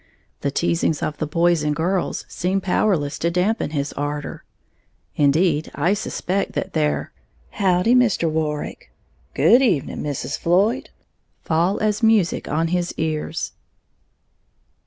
The teasings of the boys and girls seem powerless to dampen his ardor, indeed, I suspect that their "Howdy, Mr. Warrick," "Good evening, Mrs. Floyd," fall as music on his ears.